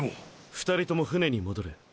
２人とも船に戻れ。